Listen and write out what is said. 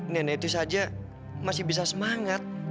nenek itu saja masih bisa semangat